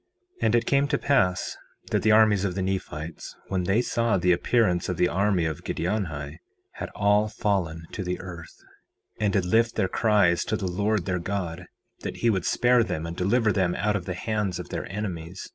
4:8 And it came to pass that the armies of the Nephites, when they saw the appearance of the army of Giddianhi, had all fallen to the earth, and did lift their cries to the Lord their God, that he would spare them and deliver them out of the hands of their enemies.